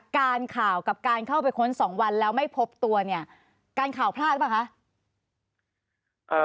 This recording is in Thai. การข่าวกับการเข้าไปค้นสองวันแล้วไม่พบตัวเนี่ยการข่าวพลาดหรือเปล่าคะ